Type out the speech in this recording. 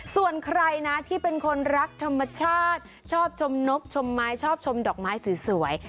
ส่วนใครนะที่เป็นคนรักธรรมชาติชอบชมนกชมไม้ชอบชมดอกไม้สวย